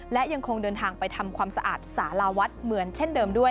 และยังคงเดินทางไปทำความสะอาดสาราวัดเหมือนเช่นเดิมด้วย